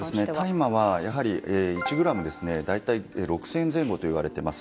大麻は１ｇ大体６０００円前後といわれています。